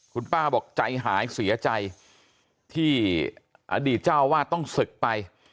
คุณป้าบอกใจหายเสียใจที่อดีตเจ้าวาดต้องศึกไป